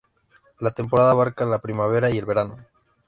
La temporada abarca la primavera y el verano.